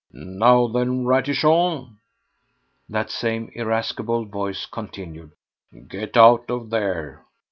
"Now then, Ratichon," that same irascible voice continued, "get out of there!